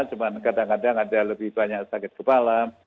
cuma kadang kadang ada lebih banyak sakit kepala